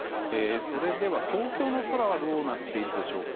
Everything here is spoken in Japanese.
それでは、東京の空はどうなっているでしょうか。